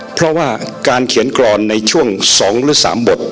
เพราะว่าการเขียนกรอนในช่วง๒หรือ๓บท